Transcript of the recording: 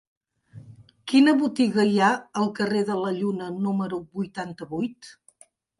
Quina botiga hi ha al carrer de la Lluna número vuitanta-vuit?